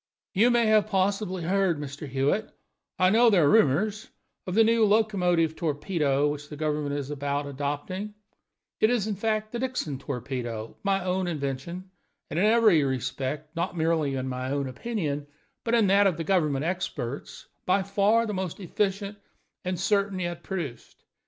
"You may possibly have heard, Mr. Hewitt I know there are rumors of the new locomotive torpedo which the government is about adopting; it is, in fact, the Dixon torpedo, my own invention, and in every respect not merely in my own opinion, but in that of the government experts by far the most efficient and certain yet produced.